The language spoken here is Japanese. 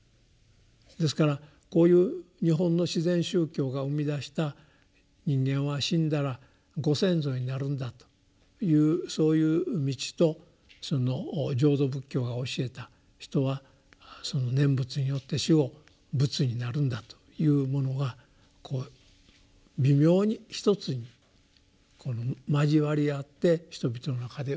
ですからこういう日本の自然宗教が生み出した人間は死んだらご先祖になるんだというそういう道と浄土仏教が教えた「人はその念仏によって死後仏になるんだ」というものが微妙に一つにまじわり合って人々の中で受け止められてきていると。